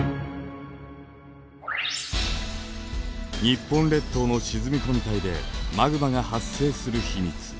日本列島の沈み込み帯でマグマが発生する秘密。